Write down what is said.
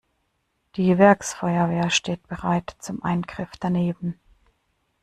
Die Werksfeuerwehr steht bereit zum Eingriff daneben.